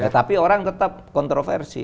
tapi orang tetap kontroversi